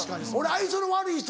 愛想の悪い人